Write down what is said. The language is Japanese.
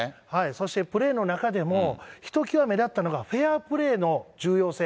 そしてプレーの中でも、ひときわ目立ったのがフェアプレーの重要性。